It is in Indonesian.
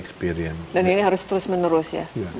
dan ini harus terus menerus ya